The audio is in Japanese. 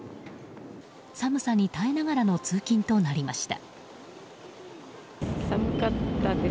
寒さに耐えながらの通勤となりました。